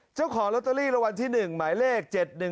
เจ้าของโรตเตอรี่รวรรดิที่๑หมายเลข๗๑๓๕๑๗